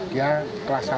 dia kelas satu